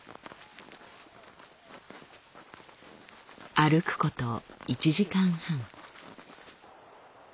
歩くこと１時間半。